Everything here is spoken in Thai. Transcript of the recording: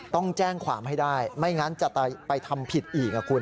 ต้องแจ้งความให้ได้ไม่งั้นจะไปทำผิดอีกคุณ